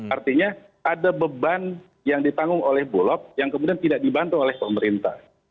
artinya ada beban yang ditanggung oleh bulog yang kemudian tidak dibantu oleh pemerintah